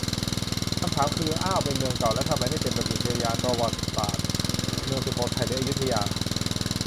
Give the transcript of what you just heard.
คำถามคือ อ้าวเป็นเมืองเก่าแล้วทำไมไม่เป็นแบบอุทยานประวัติศาสตร์ เมืองสุโขทัย หรืออยุธยา